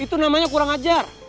itu namanya kurang ajar